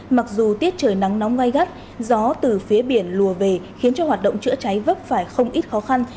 mặc dù tiết trời nắng nóng gai gắt gió từ phía biển lùa về khiến cho hoạt động chữa cháy vấp phải không ít khó khăn